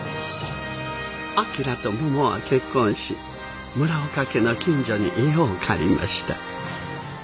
旭とももは結婚し村岡家の近所に家を借りました。